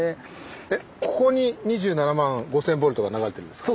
えっここに２７万５，０００ボルトが流れてるんですか？